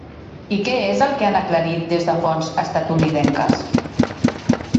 I què és el que han aclarit des de fonts estatunidenques?